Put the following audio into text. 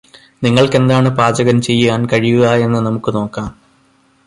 നിങ്ങൾക്കെന്താണ് പാചകം ചെയ്യാൻ കഴിയുകായെന്ന് നമുക്ക് നോക്കാം